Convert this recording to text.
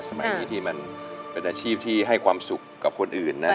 สมัยนี้ที่มันเป็นอาชีพที่ให้ความสุขกับคนอื่นนะ